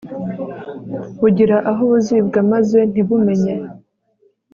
bugira aho buzibwa maze ntibumenye